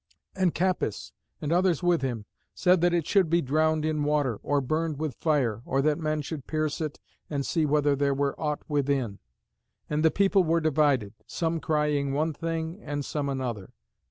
And Capys, and others with him, said that it should be drowned in water, or burned with fire, or that men should pierce it and see whether there were aught within. And the people were divided, some crying one thing and some another.